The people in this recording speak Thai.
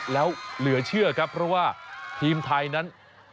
แล้วเหลือเชื่อครับเพราะว่าทีมไทยนั้น